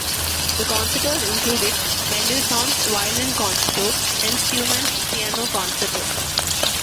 The concertos included Mendelssohn's Violin Concerto and Schumann's Piano Concerto.